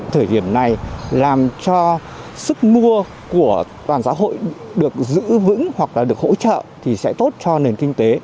thời điểm này làm cho sức mua của toàn xã hội được giữ vững hoặc là được hỗ trợ thì sẽ tốt cho nền kinh tế